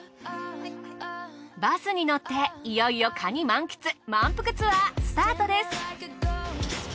バスに乗っていよいよカニ満喫満腹ツアースタートです。